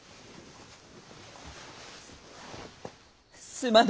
すまぬ！